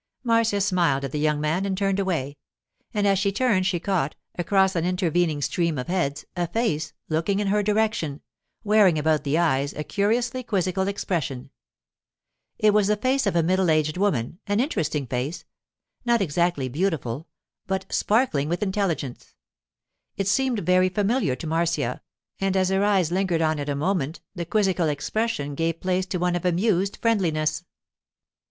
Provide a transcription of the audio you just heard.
Marcia smiled at the young man and turned away; and as she turned she caught, across an intervening stream of heads, a face, looking in her direction, wearing about the eyes a curiously quizzical expression. It was the face of a middle aged woman—an interesting face—not exactly beautiful, but sparkling with intelligence. It seemed very familiar to Marcia, and as her eyes lingered on it a moment the quizzical expression gave place to one of amused friendliness.